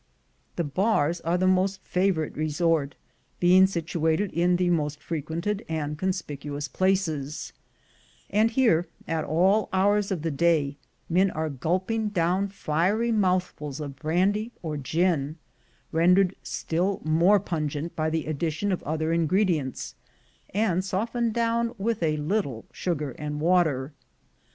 The bars are the most 78 THE GOLD HUNTERS , favorite resort, being situated in the most frequented and conspicuous places; and here, at all hours of the day, men are gulping down fiery mouthfuls of brandy or gin, rendered still more pungent by the addition of other ingredients, and softened down with a little sugar and water.